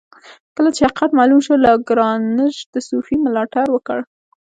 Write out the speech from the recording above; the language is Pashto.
کله چې حقیقت معلوم شو لاګرانژ د صوفي ملاتړ وکړ.